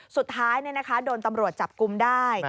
สุดท้ายโดนตำรวจจับกลุ่มได้